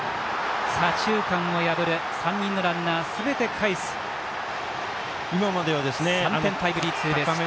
左中間を破る３人のランナーすべてかえす３点タイムリーツーベースヒット。